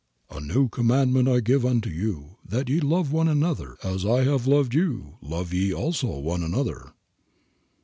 "A new commandment give I unto you, that ye love one another; as I have loved you love ye also one another."